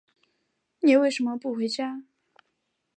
你为什么不回家？